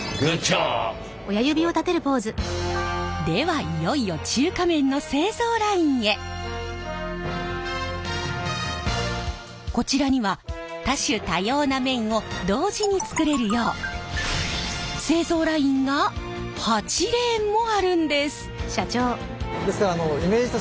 ではいよいよこちらには多種多様な麺を同時に作れるよう製造ラインが８レーンもあるんです。